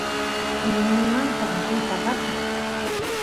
ñañaymanta akush paqakuy